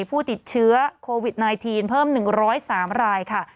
ผู้ติดเชื้อโควิด๑๙เพิ่ม๑๐๓รายค่ะ